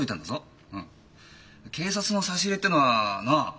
警察の差し入れってのはなあ？